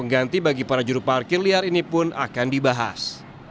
pengganti bagi para juru parkir liar ini pun akan dibahas